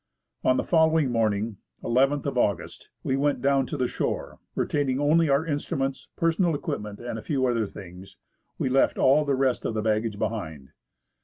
On the following morning (nth of August) we went down to the shore. Retaining only our instruments, personal equipment, and a few other things, we left all the rest of the baggage behind.